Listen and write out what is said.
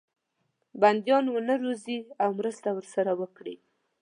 بندیان ونه زوروي او مرسته ورسره وکړي.